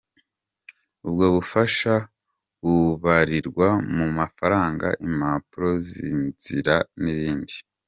Ubwo bufasha bubarirwa mu mafaranga, impapuro z’inzira n’ibindi.